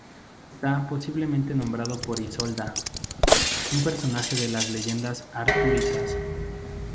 Está posiblemente nombrado por Isolda, un personaje de las leyendas artúricas.